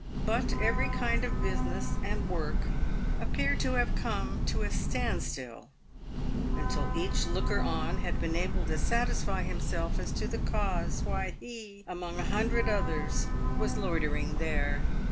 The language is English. But every kind of business and work ap peared to have come to a stand still until each looker on had been able to satisfy himself as to the cause why he, among a hundred others, was loitering there.